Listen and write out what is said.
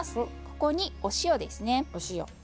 ここにお塩ですね。